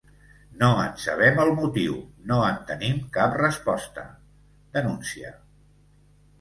“No en sabem el motiu, no en tenim cap resposta”, denuncia.